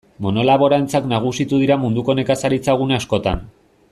Monolaborantzak nagusitu dira munduko nekazaritza gune askotan.